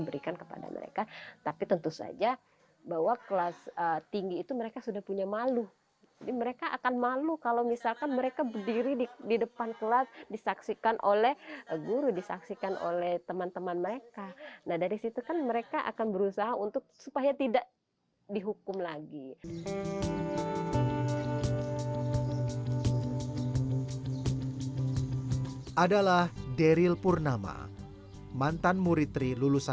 ratu ratu ratu